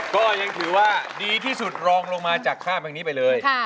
ก็ยังถือว่าดีที่สุดรองลงมาจากข้ามเพลงนี้ไปเลย